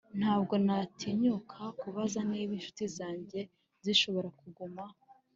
ntabwo natinyuka kubaza niba inshuti zanjye zishobora kuguma,